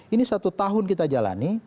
ini satu tahun kita jalani